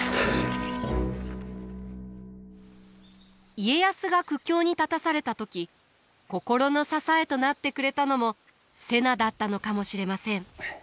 家康が苦境に立たされた時心の支えとなってくれたのも瀬名だったのかもしれません。